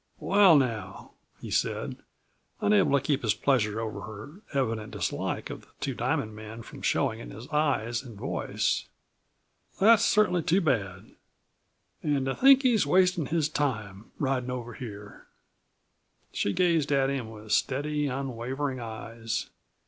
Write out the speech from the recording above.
"Well, now," he said, unable to keep his pleasure over her evident dislike of the Two Diamond man from showing in his eyes and voice, "that's cert'nly too bad. An' to think he's wastin' his time ridin' over here." She gazed at him with steady, unwavering eyes.